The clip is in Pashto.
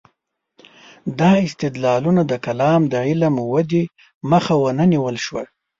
دا استدلالونه د کلام د علم ودې مخه ونه نیول شوه.